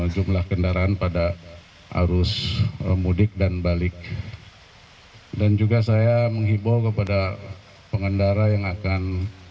jumlah kendaraan pada arus mudik dan balik dan juga saya menghimbau kepada pengendara yang akan